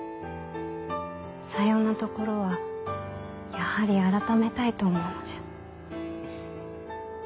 さようなところはやはり改めたいと思うのじゃ。